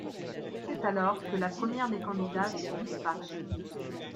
C'est alors que la première des candidates disparaît...